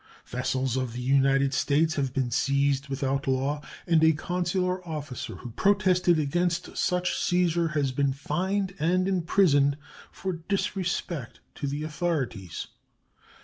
Vessels of the United States have been seized without law, and a consular officer who protested against such seizure has been fined and imprisoned for disrespect to the authorities.